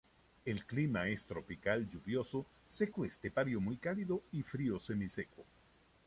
El clima es tropical lluvioso, seco estepario muy cálido y frío semiseco.